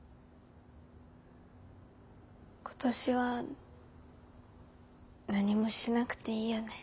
今年は何もしなくていいよね？